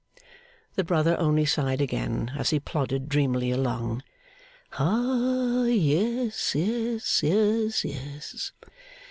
The brother only sighed again, as he plodded dreamily along, 'Hah! Yes, yes, yes, yes.